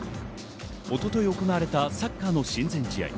一昨日、行われたサッカーの親善試合。